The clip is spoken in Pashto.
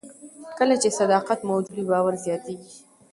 کله چې صداقت موجود وي، باور زیاتېږي.